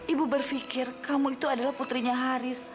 ibu berpikir kamu itu adalah putrinya haris